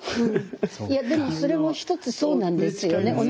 いやでもそれも一つそうなんですよね。